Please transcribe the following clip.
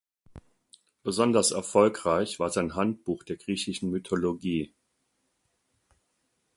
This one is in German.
Besonders erfolgreich war sein "Handbuch der griechischen Mythologie".